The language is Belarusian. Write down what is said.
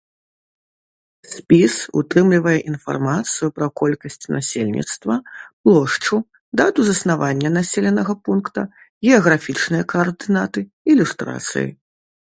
Спіс утрымлівае інфармацыю пра колькасць насельніцтва, плошчу, дату заснавання населенага пункта, геаграфічныя каардынаты, ілюстрацыі.